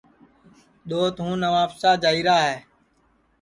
دؔوت ہوں نوابشاہ جائیرا ہے